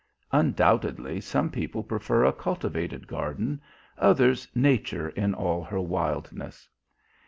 Undoubtedly, some people prefer a cultivated garden, others nature in all her wildness.